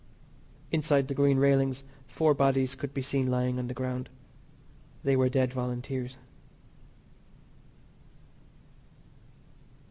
Inside the Green railings four bodies could be seen lying on the ground. They were dead Volunteers.